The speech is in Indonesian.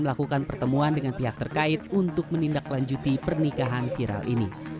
melakukan pertemuan dengan pihak terkait untuk menindaklanjuti pernikahan viral ini